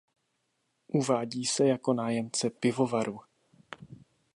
Uvádí se jako nájemce pivovaru.